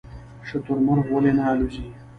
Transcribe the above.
شترمرغ ولې نه الوځي؟